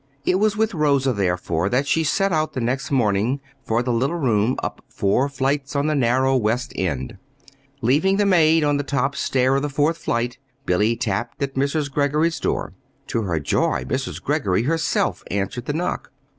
It was with Rosa, therefore, that she set out the next morning for the little room up four flights on the narrow West End street. Leaving the maid on the top stair of the fourth flight, Billy tapped at Mrs. Greggory's door. To her joy Mrs. Greggory herself answered the knock.